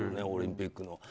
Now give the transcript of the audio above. オリンピックの。